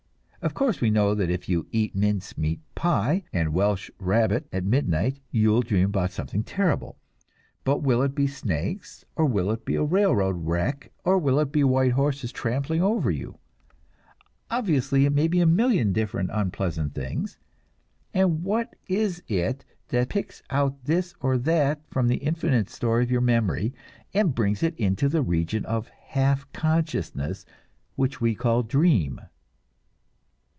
Of course we know that if you eat mince pie and welsh rabbit at midnight, you will dream about something terrible; but will it be snakes, or will it be a railroad wreck, or will it be white horses trampling over you? Obviously, it may be a million different unpleasant things; and what is it that picks out this or that from the infinite store of your memory, and brings it into the region of half consciousness which we call the dream?